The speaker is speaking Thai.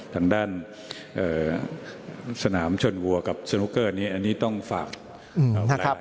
ทางด้านสนามชนวัวกับสนุกเกอร์นี้อันนี้ต้องฝาก